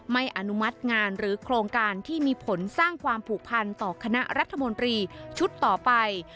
อนุมัติงานหรือโครงการที่มีผลสร้างความผูกพันต่อคณะรัฐมนตรีชุดต่อไป